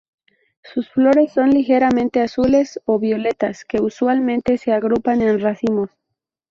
Sus flores son ligeramente azules o violetas que usualmente se agrupan en racimos.